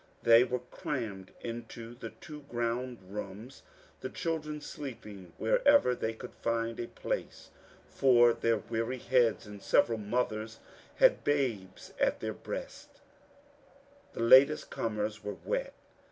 They were crammed into the two ground rooms, the children sleep ing wherever they could find a place for their weary headis, and several mothers had babes at their breasts. The latest comers were wet.